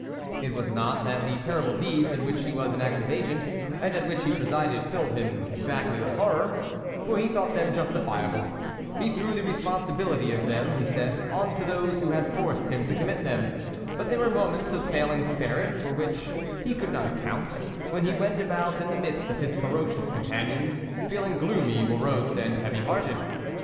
It was not that the terrible deeds in which he was an active agent, and at which he presided, filled him exactly with horror, for he thought them justifiable ; he threw the responsibility of them, he said, on to those who had forced him to commit them ; but there were moments of failing spirit, for which he could not account, when he went about in the midst of his ferocious companions, feeling gloomy, morose and heavy hearted.